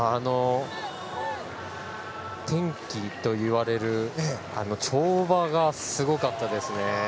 転機といわれる跳馬がすごかったですね。